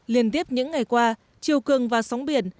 liên tiếp những ngày qua chiều cường và sóng biển